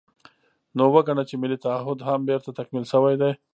نو وګڼه چې ملي تعهُد هم بېرته تکمیل شوی دی.